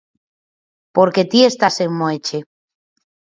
Porque ti estás en Moeche.